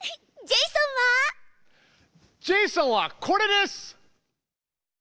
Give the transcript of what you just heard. ジェイソンはこれです！